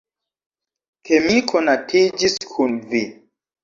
Ke mi konatiĝis kun vi.